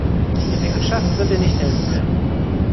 Die Gewerkschaft wird dir nicht helfen können.